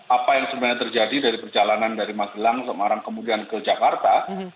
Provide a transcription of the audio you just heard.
apa yang sebenarnya terjadi dari perjalanan dari magelang semarang kemudian ke jakarta